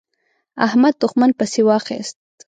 احمد؛ دوښمن پسې واخيست.